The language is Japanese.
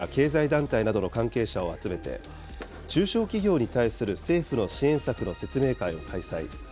金融庁などはきのう、金融機関や経済団体などの関係者を集めて、中小企業に対する政府の支援策の説明会を開催。